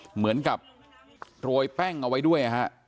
เหมือนกับโรยแป้งเอาไว้ด้วย